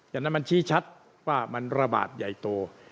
จากนั้นมันชี้ชัดว่ามันระบาดใหญ่โต